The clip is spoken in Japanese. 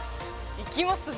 いきますね